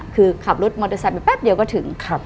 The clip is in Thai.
คือขับรถมอเตอร์ไซค์ไปแป๊บเดียวก็ถึง